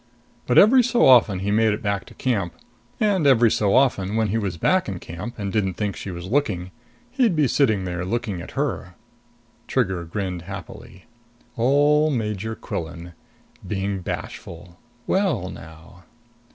But every so often he made it back to camp. And every so often when he was back in camp and didn't think she was looking, he'd be sitting there looking at her. Trigger grinned happily. Ole Major Quillan being bashful! Well now!